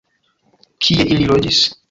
Kie ili loĝis?